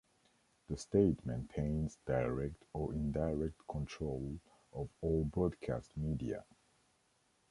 The state maintains direct or indirect control of all broadcast media.